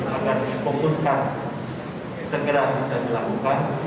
agar difokuskan segera bisa dilakukan